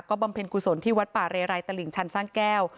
ก็บำเพ็ญคุณสนที่วัดป่าเรรายตะหลิงชันสร้างแก้ว